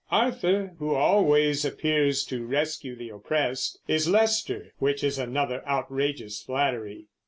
Arthur, who always appears to rescue the oppressed, is Leicester, which is another outrageous flattery.